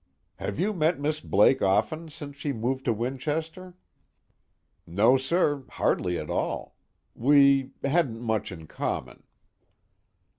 _ "Have you met Miss Blake often since she moved to Winchester?" "No, sir, hardly at all. We hadn't much in common."